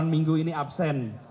delapan minggu ini absen